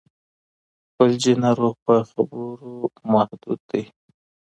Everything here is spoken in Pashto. فلجي ناروغ په خبرو محدود دی.